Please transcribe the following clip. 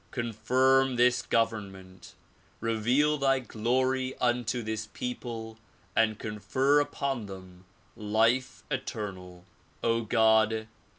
Confirm this government. Reveal thy glory unto this people and confer upon them life eternal. O God!